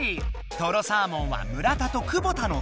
とろサーモンは村田と久保田の２人組。